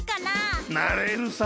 なれるさ。